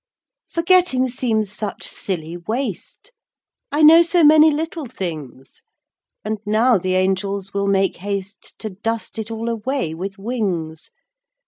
Forgetting seems such silly waste! I know so many little things, And now the Angels will make haste To dust it all away with wings!